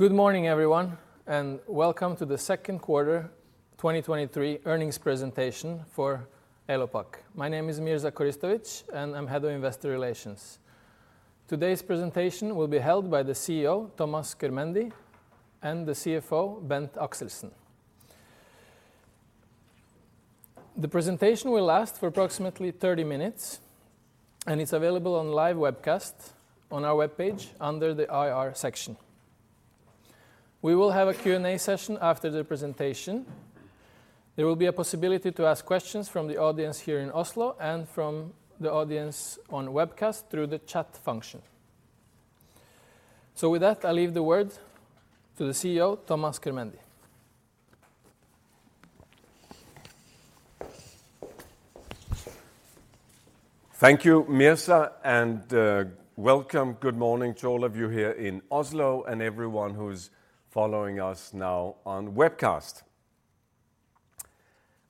Good morning, everyone. Welcome to the Q2 2023 earnings presentation for Elopak. My name is Mirza Koristovic. I'm Head of Investor Relations. Today's presentation will be held by the CEO, Thomas Körmendi, and the CFO, Bent Akselsen. The presentation will last for approximately 30 minutes. It's available on live webcast on our webpage under the IR section. We will have a Q&A session after the presentation. There will be a possibility to ask questions from the audience here in Oslo. From the audience on webcast through the chat function. With that, I leave the word to the CEO, Thomas Körmendi. Thank you, Mirza, and welcome. Good morning to all of you here in Oslo and everyone who's following us now on webcast.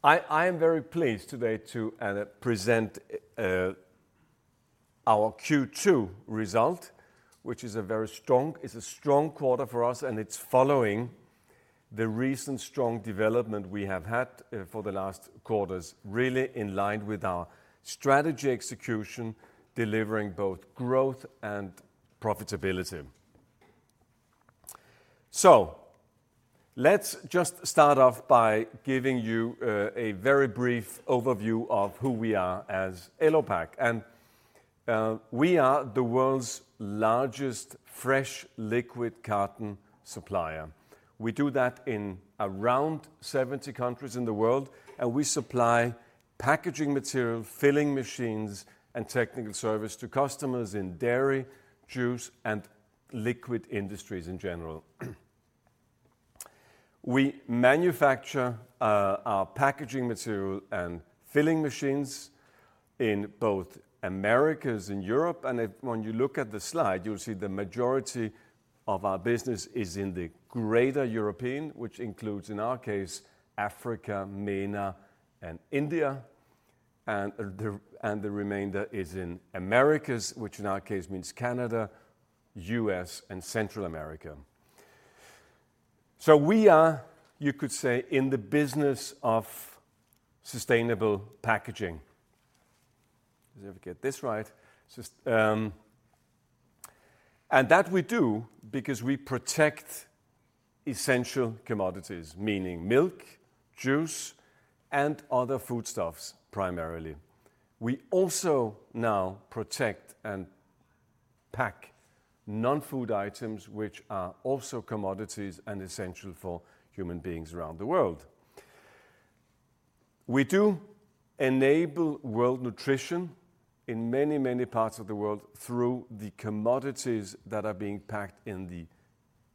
I am very pleased today to present our Q2 result, which is a strong quarter for us, and it's following the recent strong development we have had for the last quarters, really in line with our strategy execution, delivering both growth and profitability. Let's just start off by giving you a very brief overview of who we are as Elopak, and we are the world's largest fresh liquid carton supplier. We do that in around 70 countries in the world, and we supply packaging material, filling machines, and technical service to customers in dairy, juice, and liquid industries in general. We manufacture our packaging material and filling machines in both Americas and Europe, and if... when you look at the slide, you'll see the majority of our business is in the greater European, which includes, in our case, Africa, MENA, and India. The remainder is in Americas, which in our case means Canada, U.S., and Central America. We are, you could say, in the business of sustainable packaging. Let me get this right. That we do because we protect essential commodities, meaning milk, juice, and other foodstuffs, primarily. We also now protect and pack non-food items, which are also commodities and essential for human beings around the world. We do enable world nutrition in many, many parts of the world through the commodities that are being packed in the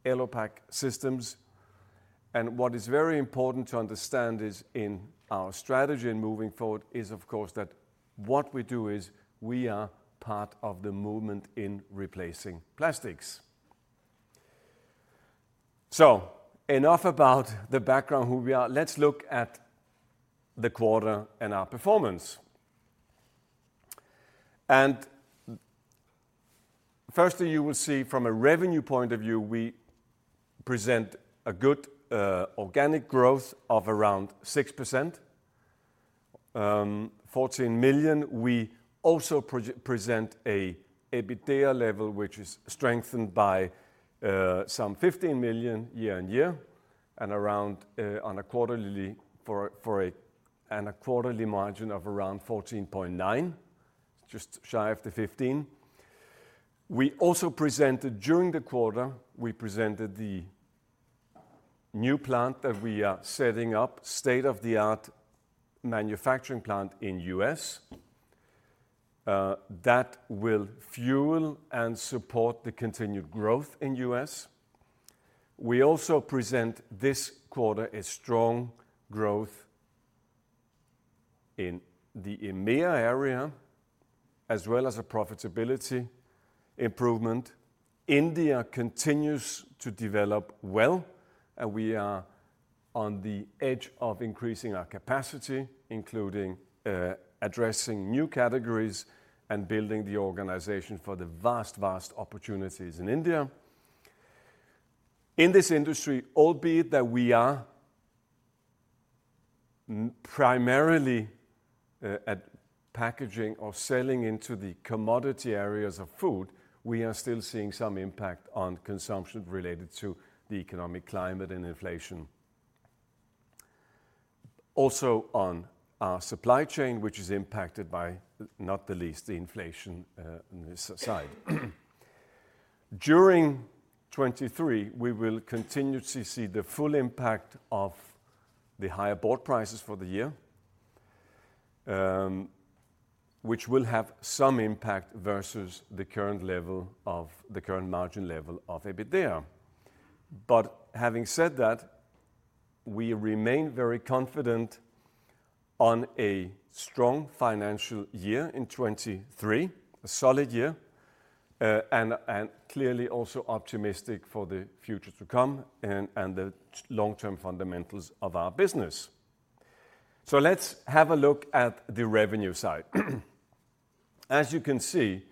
Elopak systems. What is very important to understand is in our strategy in moving forward is, of course, that what we do is we are part of the movement in replacing plastics. Enough about the background, who we are. Let's look at the quarter and our performance. Firstly, you will see from a revenue point of view, we present a good organic growth of around 6%, 14 million. We also pre-present a EBITDA level, which is strengthened by some 15 million year-over-year, and around on a quarterly margin of around 14.9, just shy of the 15. We also presented, during the quarter, we presented the new plant that we are setting up, state-of-the-art manufacturing plant in US, that will fuel and support the continued growth in US. We also present this quarter a strong growth in the EMEA area, as well as a profitability improvement. India continues to develop well, and we are on the edge of increasing our capacity, including addressing new categories and building the organization for the vast, vast opportunities in India. In this industry, albeit that we are primarily at packaging or selling into the commodity areas of food, we are still seeing some impact on consumption related to the economic climate and inflation. Also, on our supply chain, which is impacted by, not the least, the inflation on this side. During 2023, we will continue to see the full impact of the higher board prices for the year, which will have some impact versus the current level of the current margin level of EBITDA. Having said that, we remain very confident on a strong financial year in 2023, a solid year, and clearly also optimistic for the future to come and the long-term fundamentals of our business. Let's have a look at the revenue side. As you can see,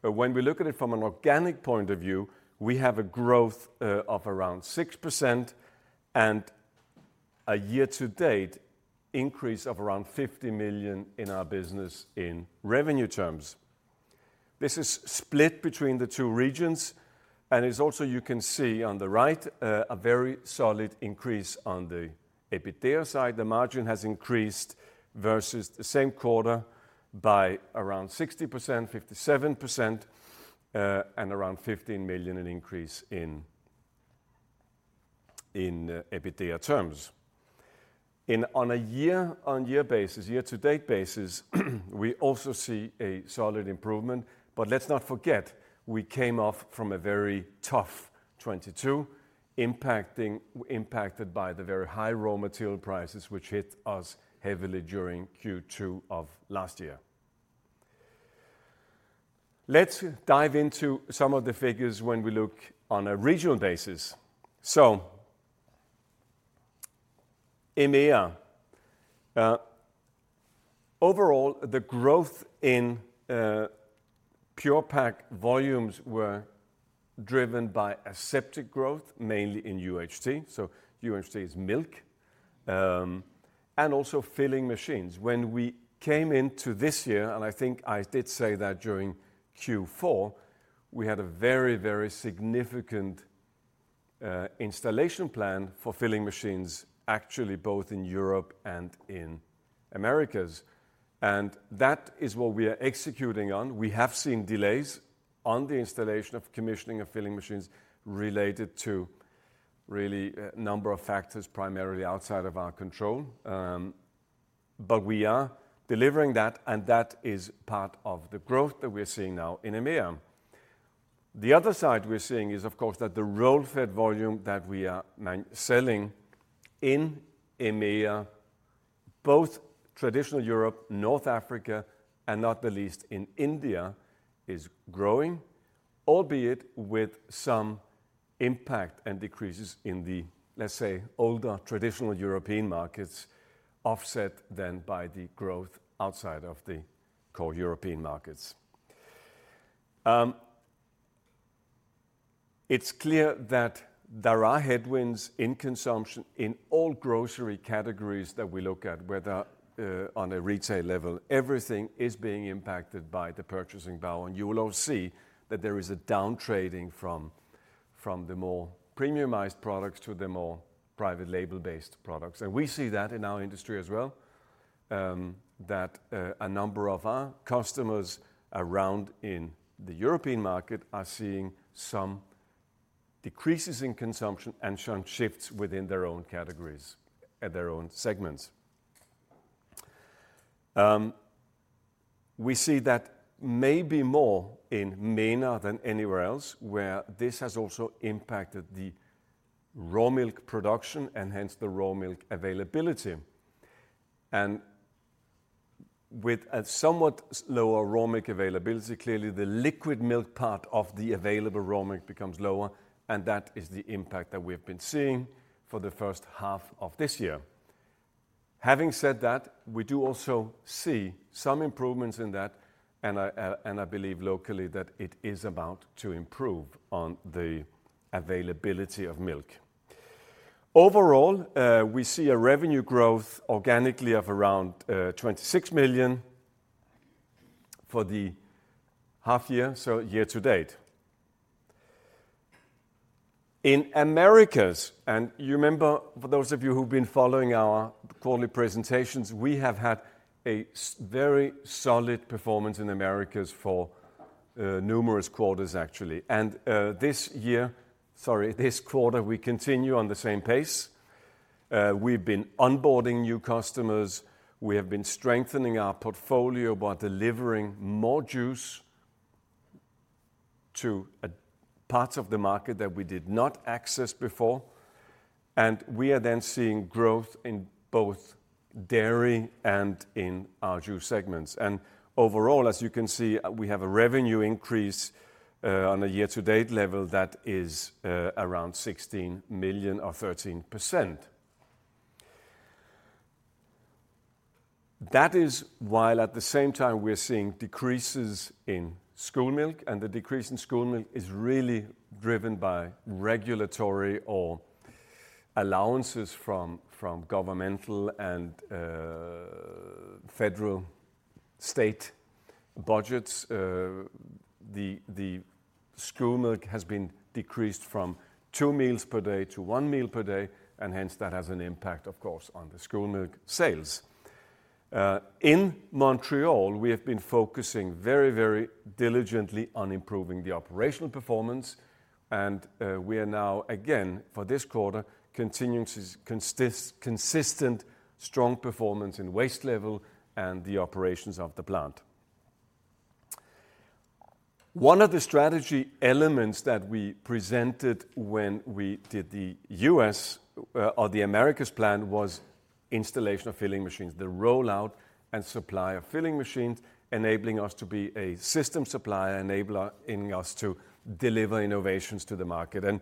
but when we look at it from an organic point of view, we have a growth of around 6% and a year-to-date increase of around 50 million in our business in revenue terms. This is split between the two regions, and it's also, you can see on the right, a very solid increase on the EBITDA side. The margin has increased versus the same quarter by around 60%, 57%, and around 15 million in increase in EBITDA terms. In, on a year-on-year basis, year-to-date basis, we also see a solid improvement. Let's not forget, we came off from a very tough 2022, impacted by the very high raw material prices, which hit us heavily during Q2 of last year. Let's dive into some of the figures when we look on a regional basis. EMEA overall, the growth in Pure-Pak volumes were driven by aseptic growth, mainly in UHT. UHT is milk, and also filling machines. When we came into this year, and I think I did say that during Q4, we had a very, very significant installation plan for filling machines, actually, both in Europe and in Americas. That is what we are executing on. We have seen delays on the installation of commissioning of filling machines related to really, a number of factors, primarily outside of our control. We are delivering that, and that is part of the growth that we're seeing now in EMEA. The other side we're seeing is, of course, that the roll-fed volume that we are man- selling in EMEA, both traditional Europe, North Africa and not the least in India, is growing, albeit with some impact and decreases in the, let's say, older traditional European markets, offset then by the growth outside of the core European markets. It's clear that there are headwinds in consumption in all grocery categories that we look at, whether on a retail level, everything is being impacted by the purchasing power, and you will all see that there is a downtrading from, from the more premiumized products to the more private label-based products. We see that in our industry as well, that a number of our customers around in the European market are seeing some decreases in consumption and some shifts within their own categories and their own segments. We see that maybe more in MENA than anywhere else, where this has also impacted the raw milk production and hence the raw milk availability. With a somewhat lower raw milk availability, clearly the liquid milk part of the available raw milk becomes lower, and that is the impact that we've been seeing for the first half of this year. Having said that, we do also see some improvements in that, and I and I believe locally, that it is about to improve on the availability of milk. Overall, we see a revenue growth organically of around 26 million for the half year, so year to date. In Americas, you remember, for those of you who've been following our quarterly presentations, we have had a very solid performance in Americas for numerous quarters, actually. This quarter, we continue on the same pace. We've been onboarding new customers. We have been strengthening our portfolio by delivering more juice to parts of the market that we did not access before. We are then seeing growth in both dairy and in our juice segments. Overall, as you can see, we have a revenue increase on a year-to-date level that is around 16 million or 13%. That is, while at the same time we're seeing decreases in school milk, and the decrease in school milk is really driven by regulatory or allowances from, from governmental and federal state budgets. The school milk has been decreased from 2 meals per day to 1 meal per day, and hence that has an impact, of course, on the school milk sales. In Montreal, we have been focusing very, very diligently on improving the operational performance, and we are now again for this quarter, continuing to consistent strong performance in waste level and the operations of the plant. One of the strategy elements that we presented when we did the U.S. or the Americas plan, was installation of filling machines. The rollout and supply of filling machines, enabling us to be a system supplier, enabling us to deliver innovations to the market.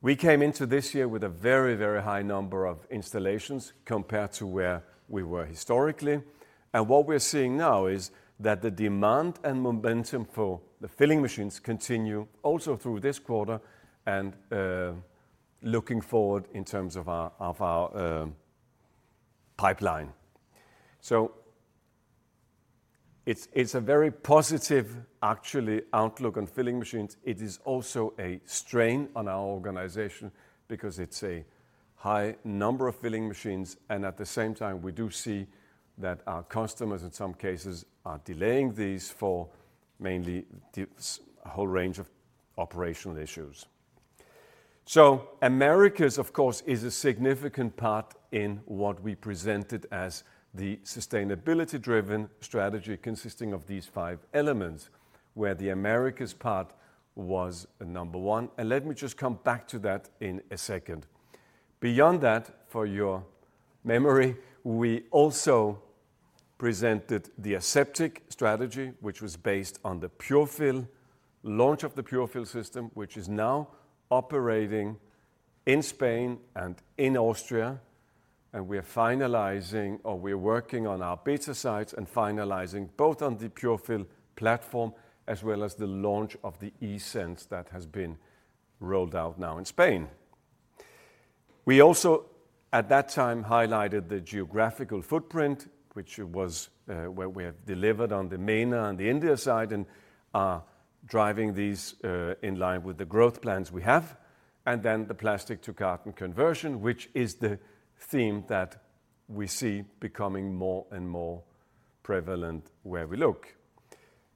We came into this year with a very, very high number of installations compared to where we were historically. What we're seeing now is that the demand and momentum for the filling machines continue also through this quarter and looking forward in terms of our, of our pipeline. It's, it's a very positive, actually, outlook on filling machines. It is also a strain on our organization because it's a high number of filling machines, and at the same time, we do see that our customers, in some cases, are delaying these for mainly a whole range of operational issues. Americas, of course, is a significant part in what we presented as the sustainability-driven strategy, consisting of these five elements, where the Americas part was number one, and let me just come back to that in a second. Beyond that, for your memory, we also presented the aseptic strategy, which was based on the Pure-Fill, launch of the Pure-Fill system, which is now operating in Spain and in Austria, and we are finalizing or we are working on our beta sites and finalizing both on the Pure-Fill platform as well as the launch of the eSense that has been rolled out now in Spain. We also, at that time, highlighted the geographical footprint, which was where we have delivered on the MENA and the India side, and are driving these in line with the growth plans we have, and then the plastic-to-carton conversion, which is the theme that we see becoming more and more prevalent where we look.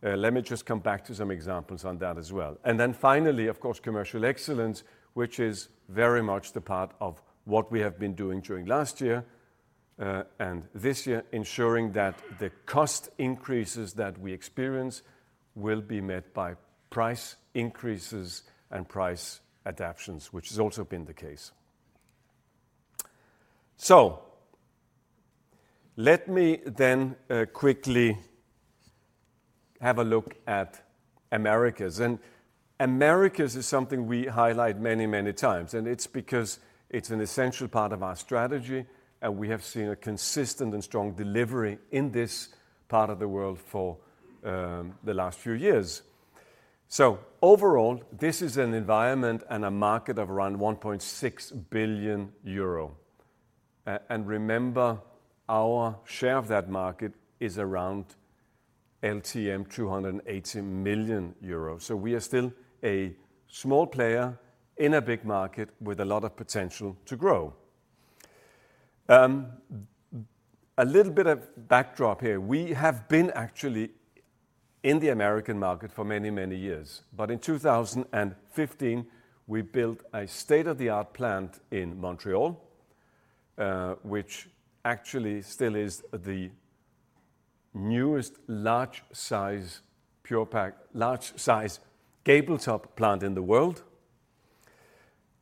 Let me just come back to some examples on that as well. Then finally, of course, commercial excellence, which is very much the part of what we have been doing during last year and this year, ensuring that the cost increases that we experience will be met by price increases and price adaptions, which has also been the case. Let me then quickly have a look at Americas. Americas is something we highlight many, many times, and it's because it's an essential part of our strategy, and we have seen a consistent and strong delivery in this part of the world for the last few years. Overall, this is an environment and a market of around 1.6 billion euro. And remember, our share of that market is around LTM 280 million euros. We are still a small player in a big market with a lot of potential to grow. A little bit of backdrop here. We have been actually in the American market for many, many years, but in 2015, we built a state-of-the-art plant in Montreal, which actually still is the newest large-size Pure-Pak, large-size gable top plant in the world.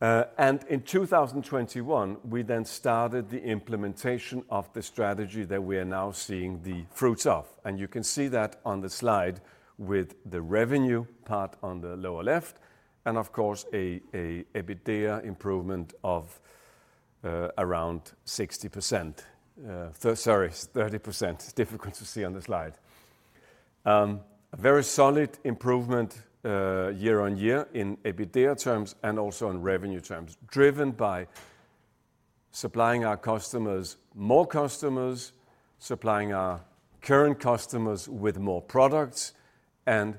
In 2021, we then started the implementation of the strategy that we are now seeing the fruits of. You can see that on the slide with the revenue part on the lower left, and of course, EBITDA improvement of around 60%. Sorry, 30%. Difficult to see on the slide. A very solid improvement year on year in EBITDA terms and also in revenue terms, driven by supplying our customers, more customers, supplying our current customers with more products, and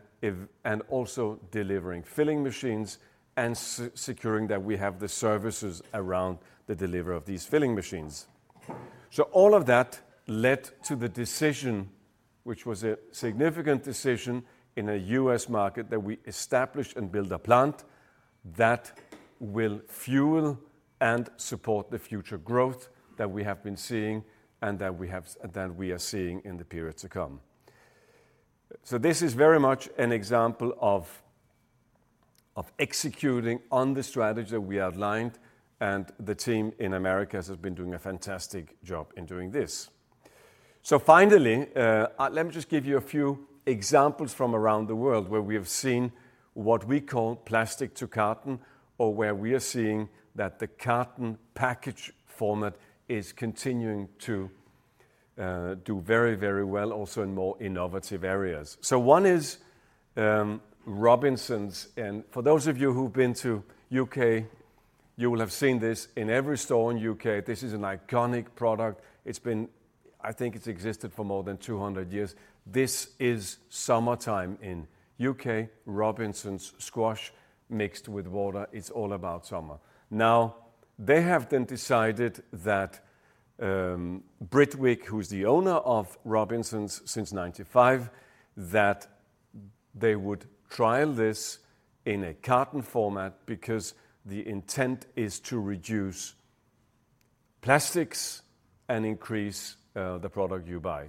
also delivering filling machines and securing that we have the services around the delivery of these filling machines. All of that led to the decision, which was a significant decision in a U.S. market, that we establish and build a plant that will fuel and support the future growth that we have been seeing and that we are seeing in the period to come. This is very much an example of, of executing on the strategy that we outlined, and the team in Americas has been doing a fantastic job in doing this. Finally, let me just give you a few examples from around the world where we have seen what we call plastic to carton, or where we are seeing that the carton package format is continuing to do very, very well, also in more innovative areas. One is Robinsons, and for those of you who've been to UK, you will have seen this in every store in UK. This is an iconic product. I think it's existed for more than 200 years. This is summertime in UK. Robinsons squash mixed with water. It's all about summer. They have then decided that Britvic, who's the owner of Robinsons since 95, that they would trial this in a carton format because the intent is to reduce plastics and increase the product you buy.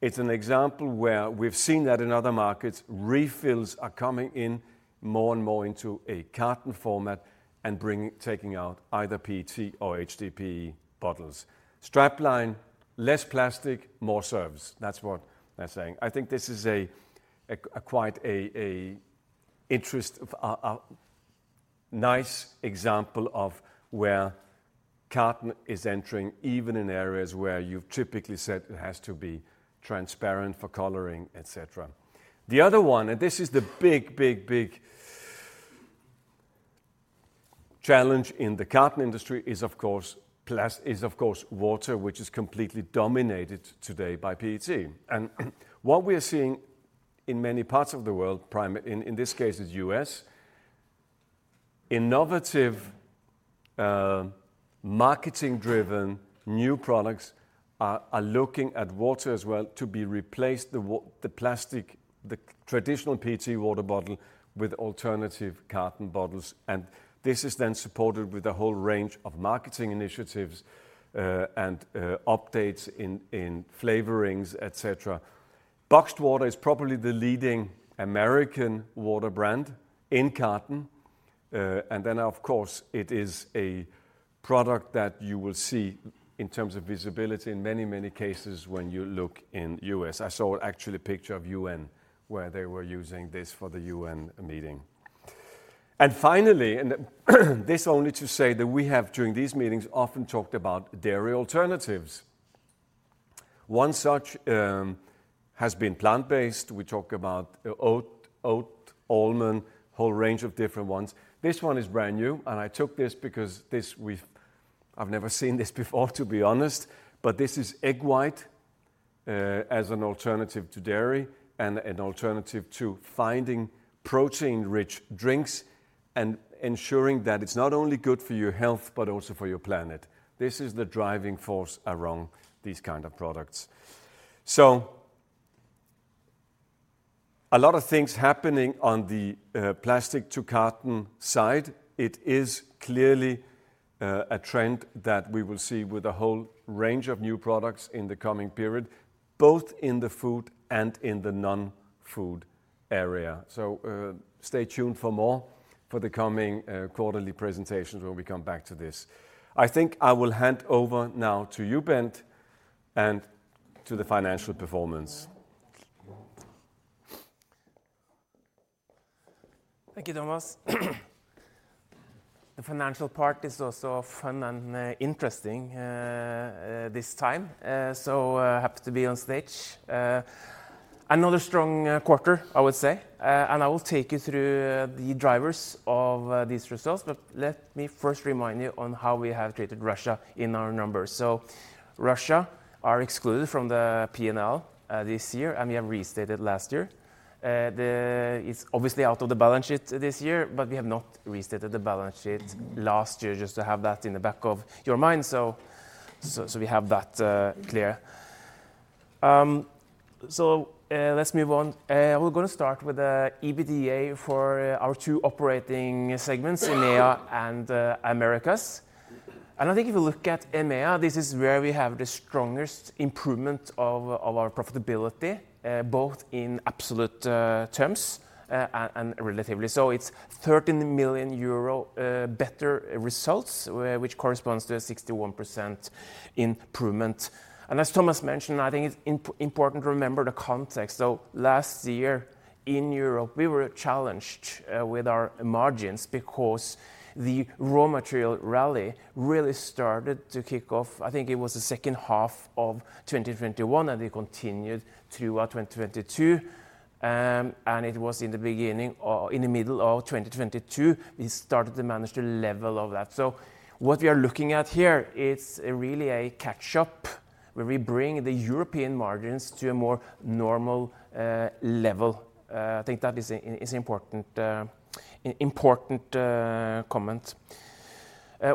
It's an example where we've seen that in other markets, refills are coming in more and more into a carton format and taking out either PET or HDPE bottles. Strap line: "Less plastic, more serves." That's what they're saying. I think this is a quite a, a nice example of where carton is entering, even in areas where you've typically said it has to be transparent for coloring, et cetera. The other one, and this is the big, big, big challenge in the carton industry, is, of course, is, of course, water, which is completely dominated today by PET. What we are seeing in many parts of the world, in this case is U.S., innovative, marketing-driven new products are looking at water as well to be replaced the plastic, the traditional PET water bottle with alternative carton bottles. This is then supported with a whole range of marketing initiatives and updates in flavorings, et cetera. Boxed Water is probably the leading American water brand in carton. Of course, it is a product that you will see in terms of visibility in many, many cases when you look in U.S. I saw actually a picture of UN, where they were using this for the UN meeting. Finally, and this only to say that we have, during these meetings, often talked about dairy alternatives. One such has been plant-based. We talk about oat, almond, whole range of different ones. This one is brand new, and I took this because I've never seen this before, to be honest, but this is egg white as an alternative to dairy and an alternative to finding protein-rich drinks and ensuring that it's not only good for your health but also for your planet. This is the driving force around these kind of products. A lot of things happening on the plastic to carton side. It is clearly a trend that we will see with a whole range of new products in the coming period, both in the food and in the non-food area. Stay tuned for more for the coming quarterly presentations when we come back to this. I think I will hand over now to you, Bent, and to the financial performance. Thank you, Thomas. The financial part is also fun and interesting this time. Happy to be on stage. Another strong quarter, I would say. I will take you through the drivers of these results. Let me first remind you on how we have treated Russia in our numbers. Russia are excluded from the P&L this year, and we have restated last year. It's obviously out of the balance sheet this year. We have not restated the balance sheet last year, just to have that in the back of your mind, we have that clear. Let's move on. We're going to start with EBITDA for our two operating segments, EMEA and Americas. I think if you look at EMEA, this is where we have the strongest improvement of our profitability, both in absolute terms and relatively. It's 13 million euro better results, which corresponds to a 61% improvement. As Thomas mentioned, I think it's important to remember the context. Last year in Europe, we were challenged with our margins because the raw material rally really started to kick off, I think it was the second half of 2021, and it continued throughout 2022. It was in the beginning or in the middle of 2022, we started to manage the level of that. What we are looking at here, it's really a catch-up, where we bring the European margins to a more normal level. I think that is, is important, an important, comment.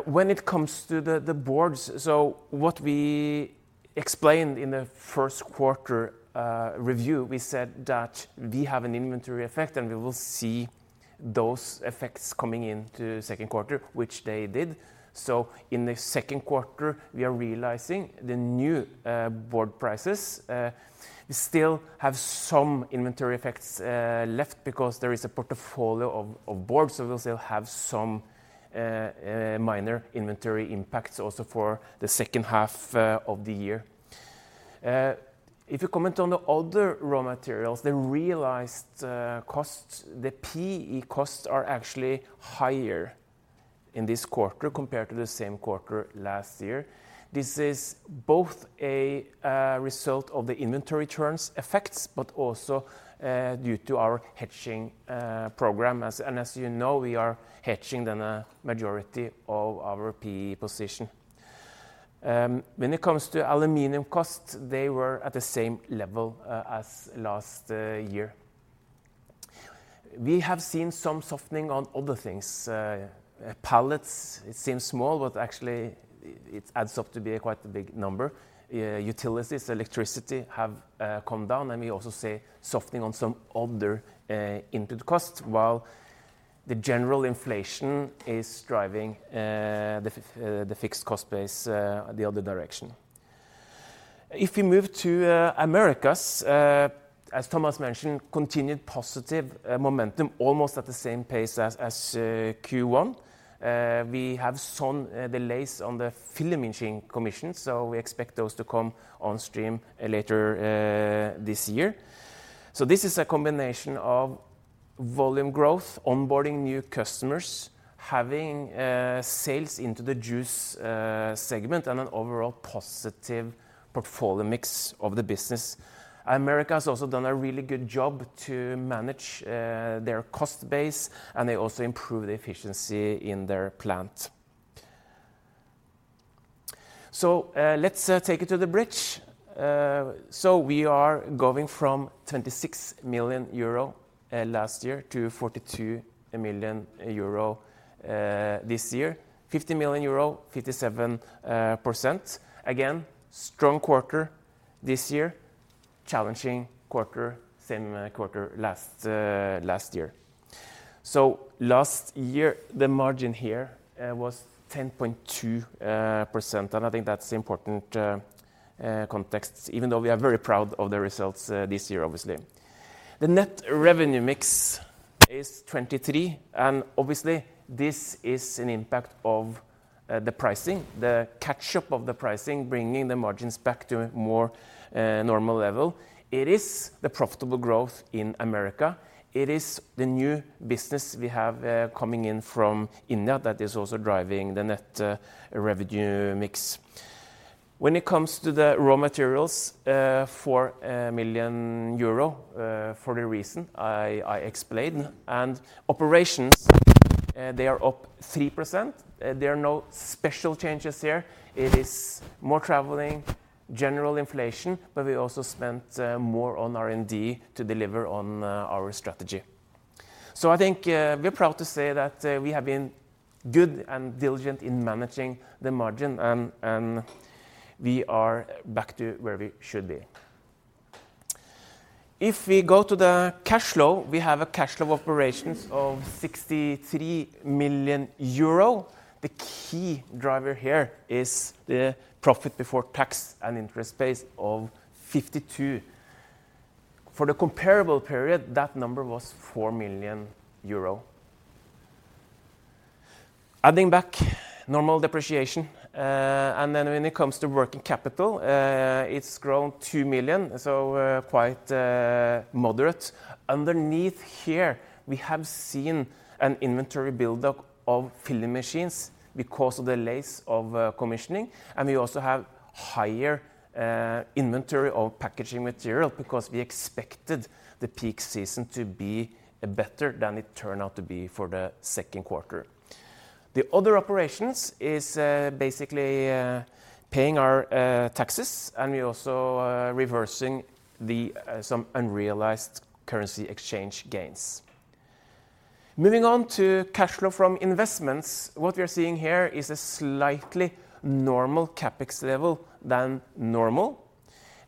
When it comes to the, the boards, so what we explained in the Q1, review, we said that we have an inventory effect, and we will see those effects coming into second quarter, which they did. In the Q2, we are realizing the new board prices. We still have some inventory effects left because there is a portfolio of, of boards, so we still have some minor inventory impacts also for the second half of the year. If you comment on the other raw materials, the realized costs, the PE costs are actually higher in this quarter compared to the same quarter last year. This is both a result of the inventory turns effects, but also due to our hedging program. As you know, we are hedging the majority of our PE position. When it comes to aluminium costs, they were at the same level as last year. We have seen some softening on other things. Pallets, it seems small, but actually it adds up to be a quite a big number. Utilities, electricity have come down, and we also see softening on some other input costs, while the general inflation is driving the fixed cost base the other direction. If you move to Americas, as Thomas mentioned, continued positive momentum, almost at the same pace as Q1. We have some delays on the filling machine commission, so we expect those to come on stream later this year. This is a combination of... Volume growth, onboarding new customers, having sales into the juice segment, and an overall positive portfolio mix of the business. Americas has also done a really good job to manage their cost base, and they also improve the efficiency in their plant. Let's take it to the bridge. We are going from 26 million euro last year, to 42 million euro this year. 50 million euro, 57%. Again, strong quarter this year, challenging quarter, same quarter last year. Last year, the margin here was 10.2%, and I think that's important context, even though we are very proud of the results this year, obviously. The net revenue mix is 23, and obviously this is an impact of the pricing, the catch-up of the pricing, bringing the margins back to a more normal level. It is the profitable growth in America. It is the new business we have, coming in from India that is also driving the net revenue mix. When it comes to the raw materials, 4 million euro, for the reason I explained. Operations, they are up 3%. There are no special changes here. It is more traveling, general inflation, but we also spent more on R&D to deliver on our strategy. I think, we're proud to say that, we have been good and diligent in managing the margin, and, and we are back to where we should be. We go to the cash flow, we have a cash flow operations of 63 million euro. The key driver here is the profit before tax and interest base of 52. For the comparable period, that number was 4 million euro. Adding back normal depreciation, when it comes to working capital, it's grown 2 million, so quite moderate. Underneath here, we have seen an inventory buildup of filling machines because of the delays of commissioning, we also have higher inventory of packaging material because we expected the peak season to be better than it turned out to be for the Q2. The other operations is basically paying our taxes, we also are reversing the some unrealized currency exchange gains. Moving on to cash flow from investments, what we are seeing here is a slightly normal CapEx level than normal.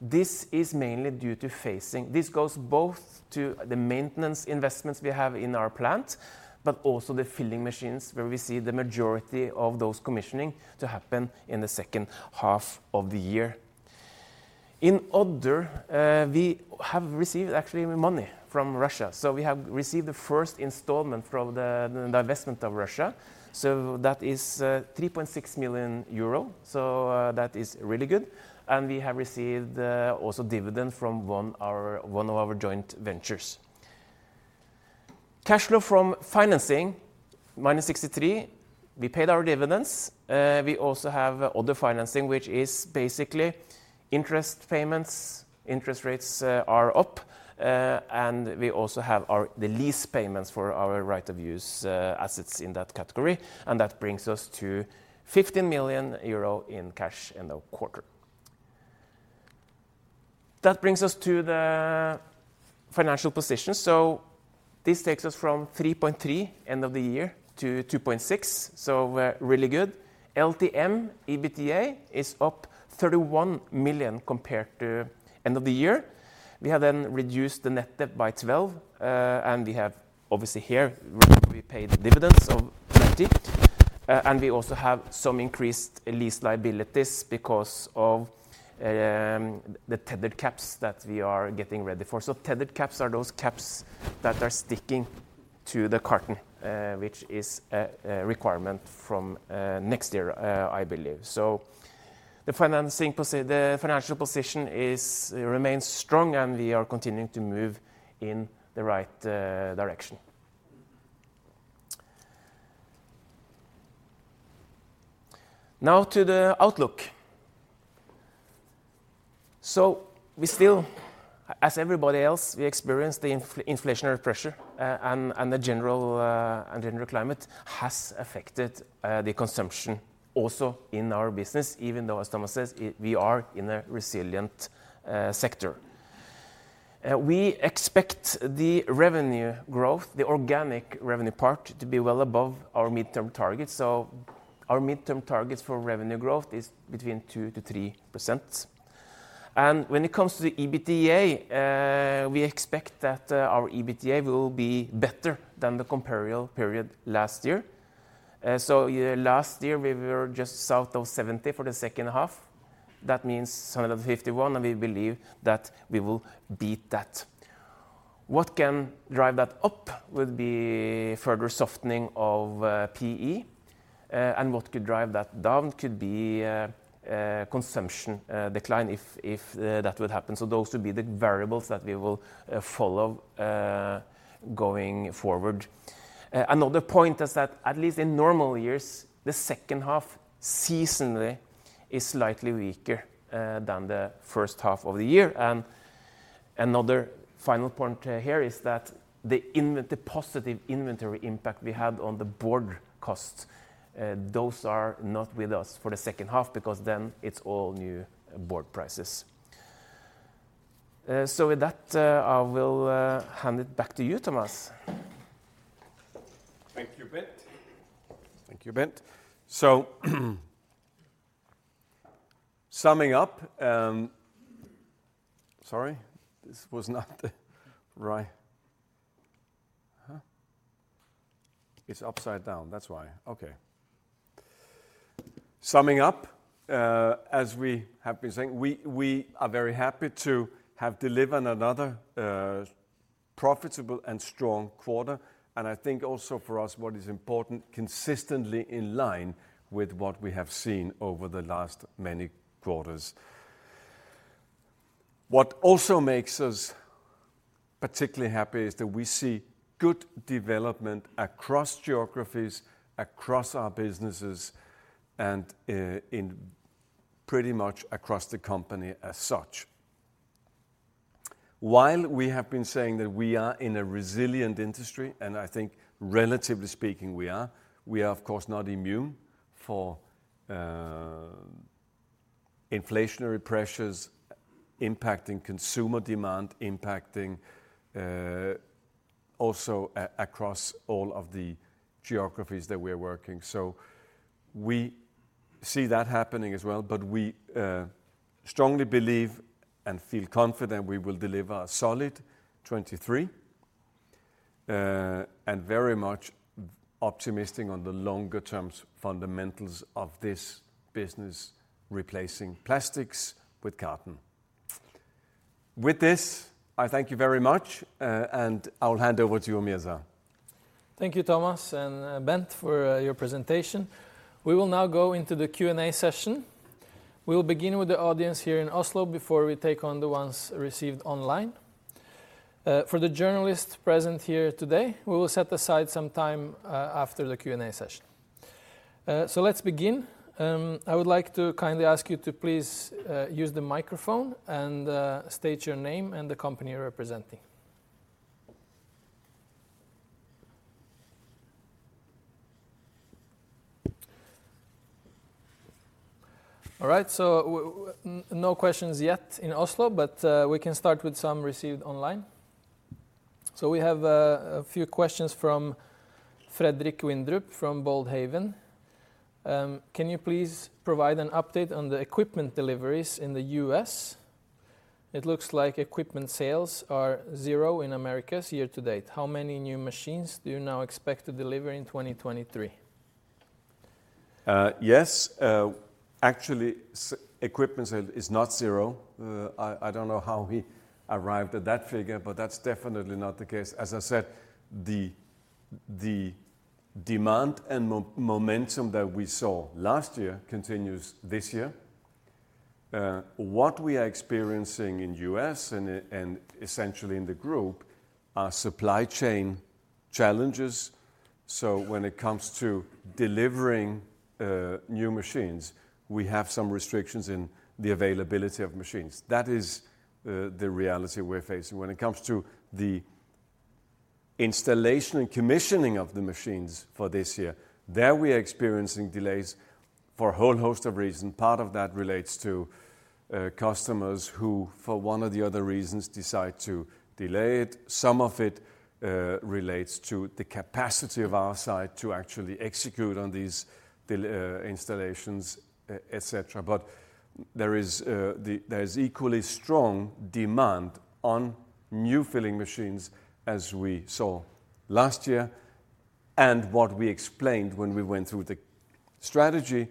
This is mainly due to phasing. This goes both to the maintenance investments we have in our plant, but also the filling machines, where we see the majority of those commissioning to happen in the second half of the year. In other, we have received actually money from Russia. We have received the first installment from the, the divestment of Russia, so that is 3.6 million euro. That is really good, and we have received also dividend from one of our joint ventures. Cash flow from financing, -63. We paid our dividends. We also have other financing, which is basically interest payments. Interest rates are up, and we also have our, the lease payments for our right-of-use assets in that category, and that brings us to 15 million euro in cash in the quarter. That brings us to the financial position. This takes us from 3.3 end of the year to 2.6, so really good. LTM EBITDA is up 31 million compared to end of the year. We have then reduced the net debt by 12 million, and we have obviously here, we paid dividends of 30 million. And we also have some increased lease liabilities because of the tethered caps that we are getting ready for. Tethered caps are those caps that are sticking to the carton, which is a requirement from next year, I believe. The financing, the financial position is, remains strong, and we are continuing to move in the right direction. Now to the outlook. We still, as everybody else, we experience the inflationary pressure, and, and the general, and general climate has affected the consumption also in our business, even though, as Thomas says, we are in a resilient sector. We expect the revenue growth, the organic revenue part, to be well above our midterm target. Our midterm targets for revenue growth is between 2%-3%. When it comes to the EBITDA, we expect that our EBITDA will be better than the comparable period last year. Last year we were just south of 70 for the second half. That means 71, and we believe that we will beat that. What can drive that up would be further softening of PE. What could drive that down could be consumption decline if, if, that would happen. Those would be the variables that we will follow going forward. Another point is that at least in normal years, the second half seasonally is slightly weaker than the first half of the year. Another final point here is that the positive inventory impact we had on the board costs, those are not with us for the second half, because then it's all new board prices. With that, I will hand it back to you, Thomas. Thank you, Bent. Thank you, Bent. Summing up... Sorry, this was not the right... Huh? It's upside down, that's why. Okay. Summing up, as we have been saying, we, we are very happy to have delivered another profitable and strong quarter, and I think also for us, what is important, consistently in line with what we have seen over the last many quarters. What also makes us particularly happy is that we see good development across geographies, across our businesses, and in pretty much across the company as such. While we have been saying that we are in a resilient industry, and I think relatively speaking, we are, we are of course not immune for inflationary pressures impacting consumer demand, impacting also across all of the geographies that we're working. We see that happening as well, but we strongly believe and feel confident we will deliver a solid 2023, and very much optimistic on the longer term fundamentals of this business, replacing plastics with carton. With this, I thank you very much, and I will hand over to you, Mirza. Thank you, Thomas and Bent, for your presentation. We will now go into the Q&A session. We will begin with the audience here in Oslo, before we take on the ones received online. For the journalists present here today, we will set aside some time after the Q&A session. Let's begin. I would like to kindly ask you to please use the microphone and state your name and the company you're representing. All right, no questions yet in Oslo, we can start with some received online. We have a few questions from Fredrik Wandrup, from Boldhaven Management. "Can you please provide an update on the equipment deliveries in the U.S.? It looks like equipment sales are 0 in Americas year to date. How many new machines do you now expect to deliver in 2023? Yes, actually, equipment sale is not zero. I, I don't know how he arrived at that figure, but that's definitely not the case. As I said, the demand and momentum that we saw last year continues this year. What we are experiencing in U.S. and, and essentially in the group, are supply chain challenges. When it comes to delivering new machines, we have some restrictions in the availability of machines. That is the reality we're facing. When it comes to the installation and commissioning of the machines for this year, there we are experiencing delays for a whole host of reasons. Part of that relates to customers who, for one or the other reasons, decide to delay it. Some of it relates to the capacity of our side to actually execute on these installations, et cetera. There is, there is equally strong demand on new filling machines, as we saw last year, and what we explained when we went through the strategy,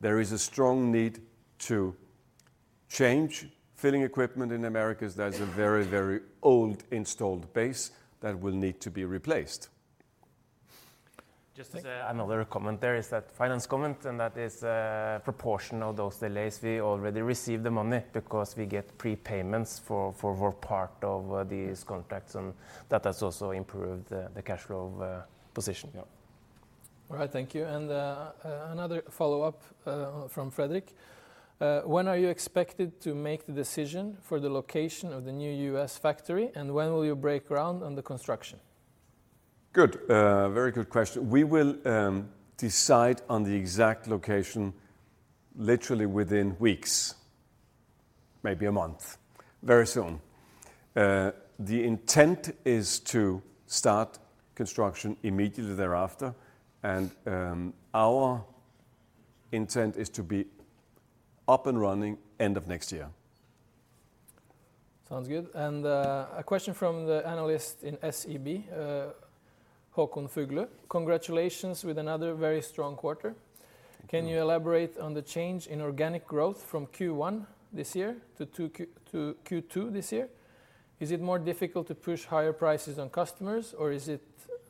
there is a strong need to change filling equipment in Americas. There's a very, very old installed base that will need to be replaced. Just as, another comment there is that finance comment, and that is proportional. Those delays, we already received the money, because we get prepayments for, for our part of, these contracts, and that has also improved the, the cash flow, position. Yeah. All right, thank you. Another follow-up from Fredrik: "When are you expected to make the decision for the location of the new US factory, and when will you break ground on the construction? Good, very good question. We will decide on the exact location literally within weeks, maybe a month. Very soon. The intent is to start construction immediately thereafter, and our intent is to be up and running end of next year. Sounds good, a question from the analyst in SEB, Håkon Fuglu. "Congratulations with another very strong quarter. Can you elaborate on the change in organic growth from Q1 this year to Q2 this year? Is it more difficult to push higher prices on customers, or is it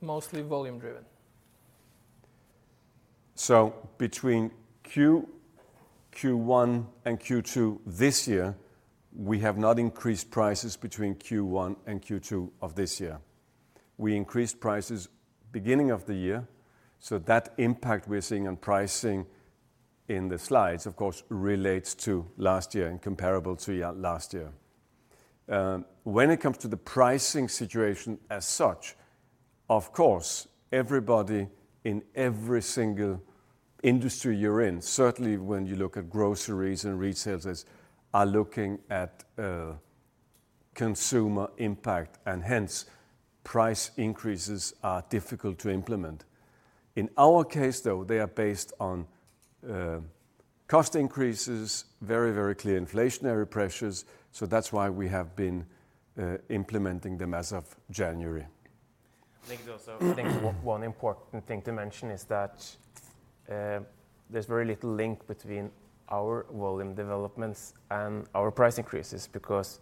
mostly volume-driven? Between Q1 and Q2 this year, we have not increased prices between Q1 and Q2 of this year. We increased prices beginning of the year, so that impact we're seeing on pricing in the slides, of course, relates to last year and comparable to last year. When it comes to the pricing situation as such, of course, everybody in every single industry you're in, certainly when you look at groceries and retailers, are looking at consumer impact, and hence, price increases are difficult to implement. In our case, though, they are based on cost increases, very, very clear inflationary pressures, so that's why we have been implementing them as of January. I think one important thing to mention is that there's very little link between our volume developments and our price increases, because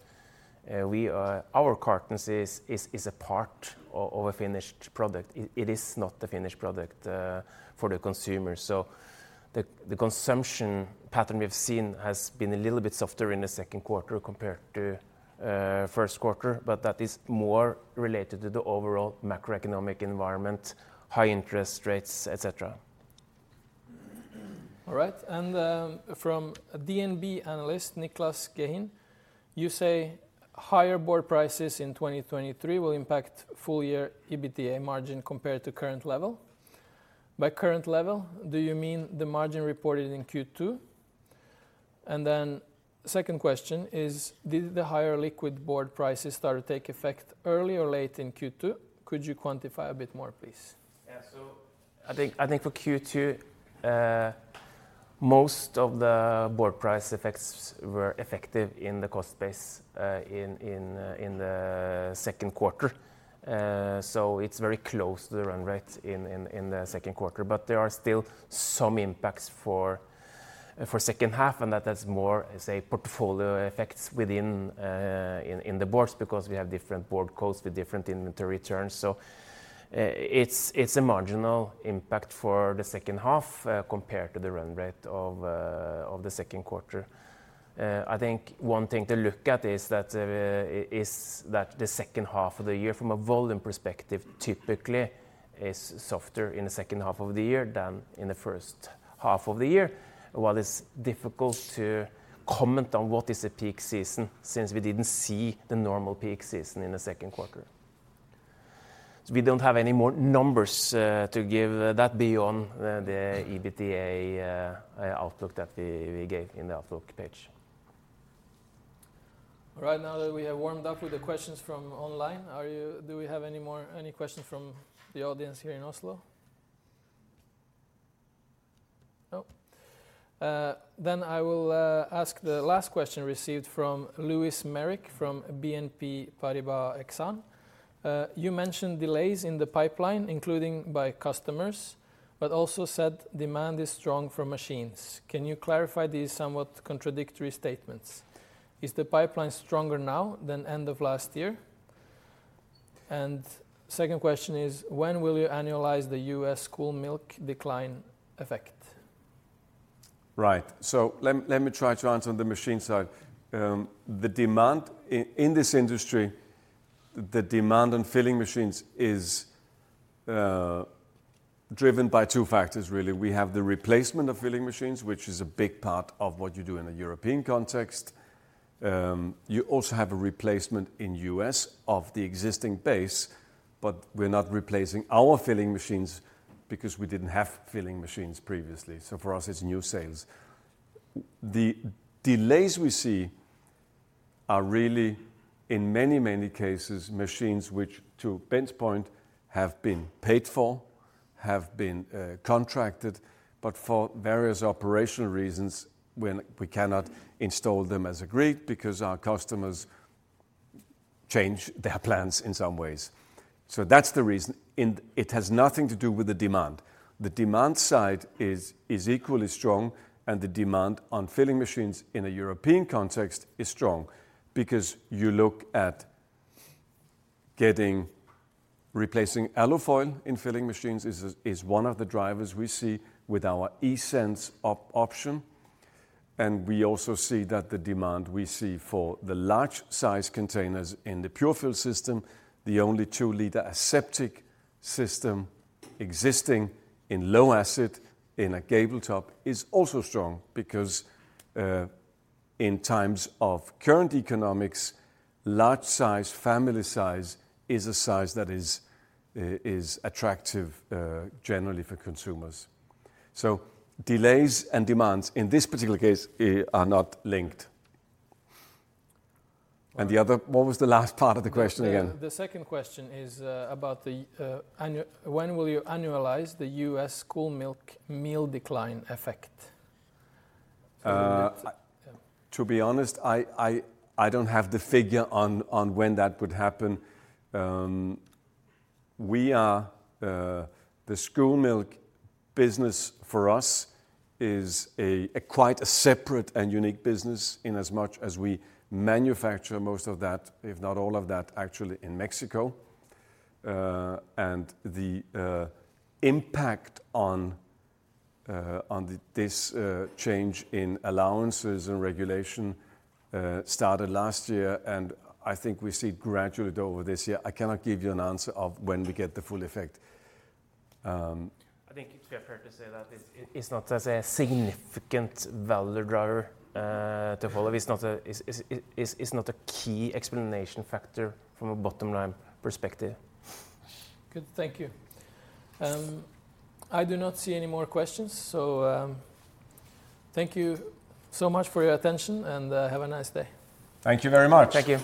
we are, our cartons is a part of a finished product. It is not the finished product for the consumer. The, the consumption pattern we've seen has been a little bit softer in the Q2 compared to Q1, but that is more related to the overall macroeconomic environment, high interest rates, et cetera. All right, from DNB analyst, Niclas Gehin: "You say higher board prices in 2023 will impact full-year EBITDA margin compared to current level. By current level, do you mean the margin reported in Q2? Second question is: Did the higher liquid board prices start to take effect early or late in Q2? Could you quantify a bit more, please? I think, I think for Q2, most of the board price effects were effective in the cost base, in, in, in the Q2. It's very close to the run rate in, in, in the Q2, but there are still some impacts for second half, and that is more portfolio effects within, in, in the boards because we have different board costs with different inventory turns. It's, it's a marginal impact for the second half, compared to the run rate of the Q2. I think one thing to look at is that the second half of the year, from a volume perspective, typically is softer in the second half of the year than in the first half of the year. While it's difficult to comment on what is the peak season, since we didn't see the normal peak season in the Q2. We don't have any more numbers to give that beyond the EBITDA outlook that we gave in the outlook page. All right, now that we have warmed up with the questions from online, are you-- do we have any more, any questions from the audience here in Oslo? No. I will ask the last question received from Lewis Merrick, from BNP Paribas Exane. "You mentioned delays in the pipeline, including by customers, but also said demand is strong for machines. Can you clarify these somewhat contradictory statements? Is the pipeline stronger now than end of last year?" And second question is: "When will you annualize the U.S. school milk decline effect? Right. Let me, let me try to answer on the machine side. The demand in this industry, the demand on filling machines is driven by 2 factors, really. We have the replacement of filling machines, which is a big part of what you do in a European context. You also have a replacement in U.S. of the existing base, but we're not replacing our filling machines because we didn't have filling machines previously, so for us, it's new sales. The delays we see are really, in many, many cases, machines which, to Bent's point, have been paid for, have been contracted, but for various operational reasons, when we cannot install them as agreed because our customers change their plans in some ways. That's the reason, and it has nothing to do with the demand. The demand side is, is equally strong, and the demand on filling machines in a European context is strong because you look at getting... Replacing alu foil in filling machines is, is one of the drivers we see with our Pure-Pak eSense option. We also see that the demand we see for the large-size containers in the Pure-Fill system, the only two-liter aseptic system existing in low acid, in a gable top, is also strong because in times of current economics, large size, family size, is a size that is attractive generally for consumers. Delays and demands in this particular case are not linked. What was the last part of the question again? The second question is about the annual-- "When will you annualize the US school milk meal decline effect? To be honest, I, I, I don't have the figure on, on when that would happen. The school milk business for us is a, quite a separate and unique business in as much as we manufacture most of that, if not all of that, actually, in Mexico. The impact on the this change in allowances and regulation started last year, and I think we see gradually over this year. I cannot give you an answer of when we get the full effect. I think it's fair, fair to say that it, it's not as a significant value driver to follow. It's not a key explanation factor from a bottom-line perspective. Good, thank you. I do not see any more questions, so, thank you so much for your attention, and, have a nice day. Thank you very much. Thank you.